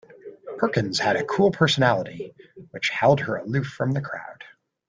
Perkins had a cool personality which held her aloof from the crowd.